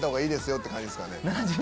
って感じですかね。